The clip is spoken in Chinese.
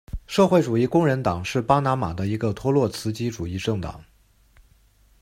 社会主义工人党是巴拿马的一个托洛茨基主义政党。